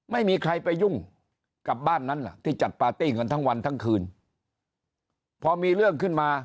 ไม่มีใครไปยุ่งกับบ้านนั้นที่จัดปาร์ตี้เงินทั้งวันทั้งคืน